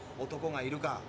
男がいるか。